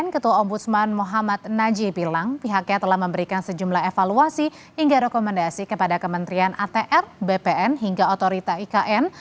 ketua ombudsman muhammad naji bilang pihaknya telah memberikan sejumlah evaluasi hingga rekomendasi kepada kementerian atr bpn hingga otorita ikn